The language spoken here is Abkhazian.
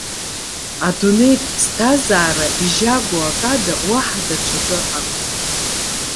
Адунеитә ԥсҭазаара, ижьагоу акы ада уаҳа даҽакы акәӡам.